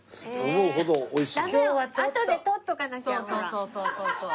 そうそうそうそう。